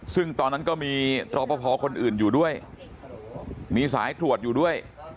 ซึ่งตอนนั้นก็มีรอปภคนอื่นอยู่ด้วยมีสายตรวจอยู่ด้วย